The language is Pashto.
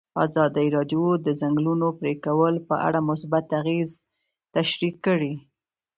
ازادي راډیو د د ځنګلونو پرېکول په اړه مثبت اغېزې تشریح کړي.